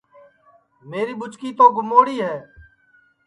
میری ٻُچکی تو گموڑی ہے